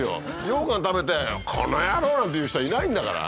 ようかん食べて「この野郎！」なんて言う人はいないんだから。